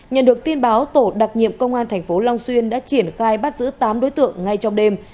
nhận được tin báo tổ đặc nhiệm công an tp long xuyên đã triển khai bắt giữ tám đối tượng ngay trong đêm